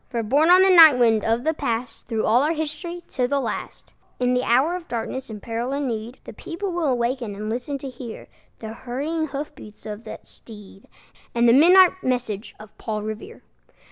For, borne on the night wind of the Past, Through all our history, to the last, In the hour of darkness and peril and need, The people will waken and listen to hear The hurrying hoof beats of that steed, And the midnight message of Paul Revere.